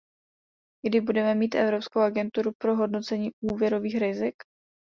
Kdy budeme mít Evropskou agenturu pro hodnocení úvěrových rizik?